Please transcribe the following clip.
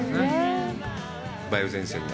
梅雨前線が。